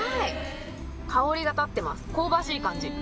香りが立ってます香ばしい感じ。